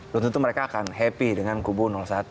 belum tentu mereka akan happy dengan kubu satu